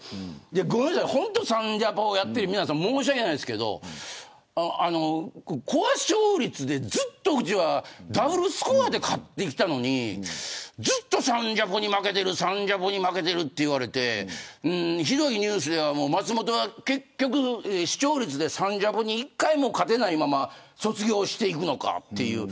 ごめんなさい、本当にサンジャポをやってる皆さんには申し訳ないですけどコア視聴率で、ずっとうちはダブルスコアで勝ってきたのにずっとサンジャポに負けてるって言われてひどいニュースでは、松本は視聴率でサンジャポに一回も勝てないまま卒業していくのかという。